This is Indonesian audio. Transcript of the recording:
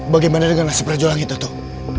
bagaimana dengan nasib rajulah kita tuh